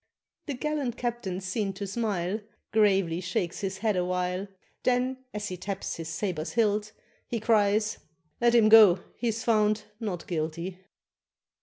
The gallant captain's seen to smile, Gravely shakes his head awhile, Then, as he taps his sabre's hilt, he Cries, "Let him go! he's found 'not guilty.